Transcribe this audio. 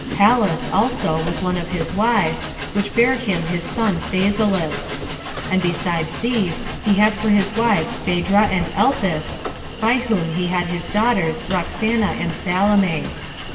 Pallas also was one of his wives, which bare him his son Phasaelus. And besides these, he had for his wives Phedra and Elpis, by whom he had his daughters Roxana and Salome.